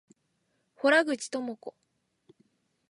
洞口朋子